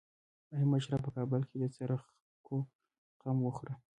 ای مشره په کابل کې د څرخکو غم وخوره.